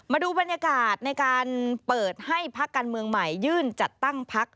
มาดูบรรยากาศในการเปิดให้พักการเมืองใหม่ยื่นจัดตั้งพัก